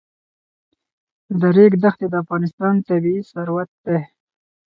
د ریګ دښتې د افغانستان طبعي ثروت دی.